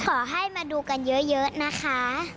ขอให้มาดูกันเยอะนะคะ